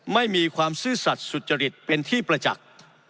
ไม่มีความซื่อสัตว์สุจริตเป็นที่ประจักษ์